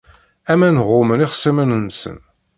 Aman ɣummen ixṣimen-nsen.